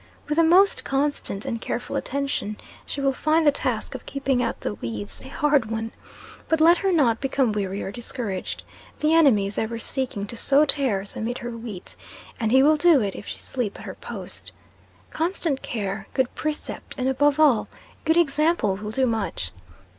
With the most constant and careful attention, she will find the task of keeping out the weeds a hard one; but let her not become weary or discouraged. The enemy is ever seeking to sow tares amid her wheat, and he will do it if she sleep at her post. Constant care, good precept, and, above all, good example, will do much.